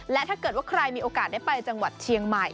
และถ้าเกิดว่าใครมีโอกาสได้ไปจังหวัดเชียงใหม่